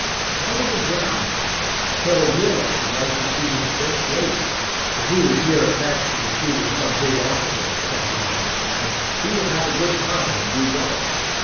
How are the Browns? Tell Will I should like to see him first rate if he was here attached to the suite of some big officer, or something of that kind, he would have a good time and do well.